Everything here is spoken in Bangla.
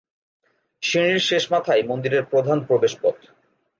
সিঁড়ির শেষ মাথায় মন্দিরের প্রধান প্রবেশপথ।